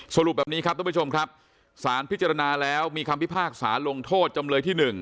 สรุปแบบนี้ครับทุกผู้ชมครับสารพิจารณาแล้วมีคำพิพากษาลงโทษจำเลยที่๑